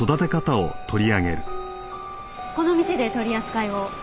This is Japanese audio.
この店で取り扱いを？